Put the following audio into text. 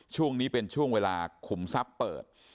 ช่วงนี้เป็นช่วงเวลาขุมทรัพย์เปิด